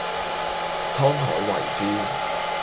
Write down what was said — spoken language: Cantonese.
滄海遺珠